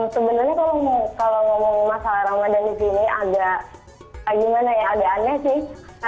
sebenarnya kalau ngomong masalah ramadan di sini agak aneh sih